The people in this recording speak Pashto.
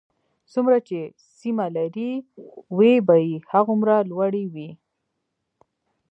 څومره چې سیمه لرې وي بیې هغومره لوړې وي